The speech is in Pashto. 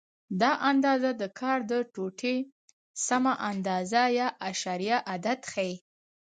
دا اندازه د کار د ټوټې سمه اندازه یا اعشاریه عدد ښیي.